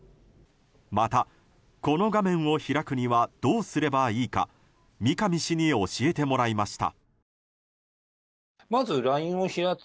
また、この画面を開くにはどうすればいいか三上氏に教えてもらいました。